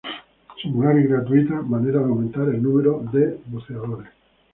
Singular y gratuita manera de aumentar el número de buceadores.